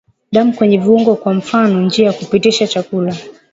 Damu kwenye viungo kwa mfano njia ya kupitisha chakula